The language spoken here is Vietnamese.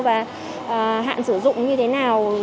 và hạn sử dụng như thế nào